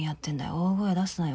大声出すなよ。